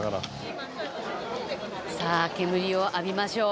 さあ煙を浴びましょう。